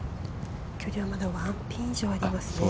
距離はまだワンピン以上ありますね